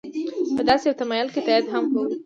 په داسې یو تمایل که تایید هم کوي.